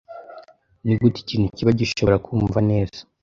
Nigute ikintu kibi gishobora kumva neza?